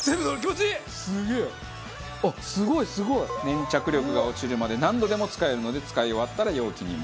粘着力が落ちるまで何度でも使えるので使い終わったら容器に戻してオーケー。